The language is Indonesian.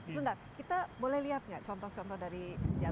sebentar kita boleh lihat nggak contoh contoh dari senjata